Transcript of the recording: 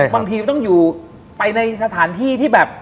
บางทีต้องอยู่ไปในสถานที่ที่แบบ